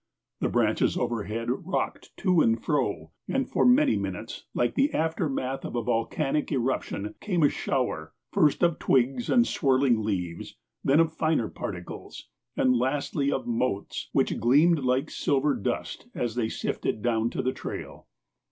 The branches overhead rocked to and fro, and for many minutes, like the aftermath of a volcanic eruption, came a shower, first of twigs and swirling leaves, then of finer particles, and lastly of motes which gleamed like silver dust as they sifted down to the trail.